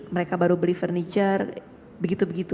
mereka baru beli furniture begitu begitu